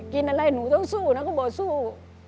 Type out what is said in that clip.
กินอะไรหนูต้องสู้นะก็บอกสู้